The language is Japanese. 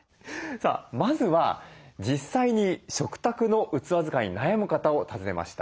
さあまずは実際に食卓の器使いに悩む方を訪ねました。